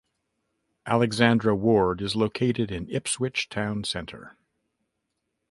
Alexandra Ward is located in Ipswich town centre.